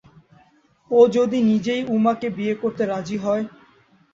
ও যদি নিজেই উমাকে বিয়ে করতে রাজি হয়?